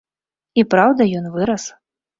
І праўда, ён вырас.